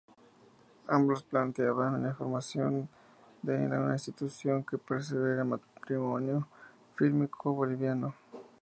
Ambos planteaban la formación de una institución que preserve el patrimonio fílmico boliviano.